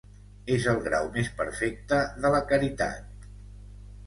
És el grau més perfecte de la caritat.